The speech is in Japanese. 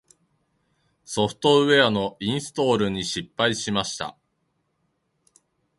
ソフトウェアのインストールに失敗しました。